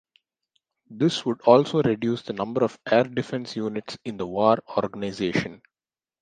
This would also reduce the number of air defense units in the war organization.